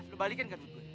lo balikin kan dut